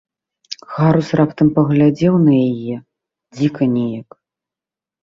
Гарус раптам паглядзеў на яе дзіка нейк.